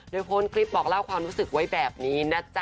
โดยโพสต์คลิปบอกเล่าความรู้สึกไว้แบบนี้นะจ๊ะ